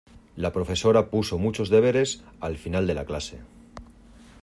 La profesora puso muchos deberes al final de la clase.